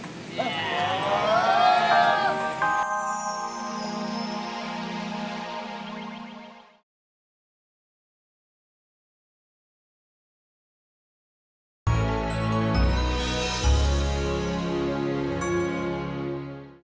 sampai jumpa lagi